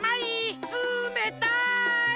つめたい！